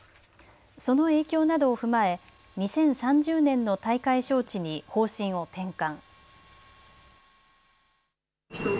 その影響などを踏まえ２０３０年の大会招致に方針を転換。